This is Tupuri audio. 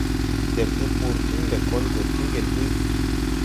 Dɛpte bɔr tiŋ lɛkɔl gɔ ti ŋgel ɓuy.